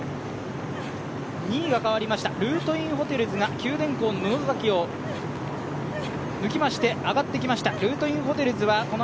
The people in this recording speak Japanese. ２位がかわりました、ルートインホテルズが九電工を抜きまして上がってきました。